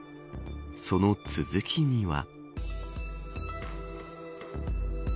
その続きには。